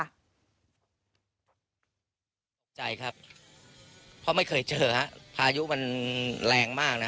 ใจครับเพราะไม่เคยเจอฮะพายุมันแรงมากนะ